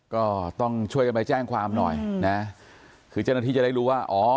ก็ต้องช่วยกันไปแจ้งความหน่อยนะคือเจ้าหน้าที่จะได้รู้ว่าอ๋อ